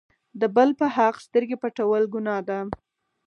د بل په حق سترګې پټول ګناه ده.